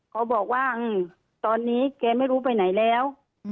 เขาบอกว่าตอนนี้แกไม่รู้ไปไหนแล้ว